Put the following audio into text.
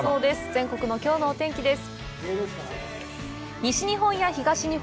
全国のきょうのお天気です。